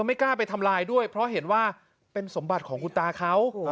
ไม่กล้าไปทำลายด้วยเพราะเห็นว่าเป็นสมบัติของคุณตาเขา